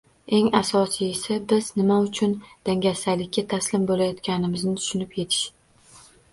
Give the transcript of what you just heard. Eng asosiysi biz nima uchun dangasalikka taslim bo’layotganimizni tushunib yetish